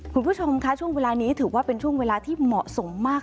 คุณผู้ชมค่ะช่วงเวลานี้ถือว่าเป็นช่วงเวลาที่เหมาะสมมาก